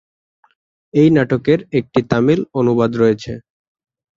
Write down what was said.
এই নাটকের একটি তামিল অনুবাদ রয়েছে।